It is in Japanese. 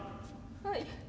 はい。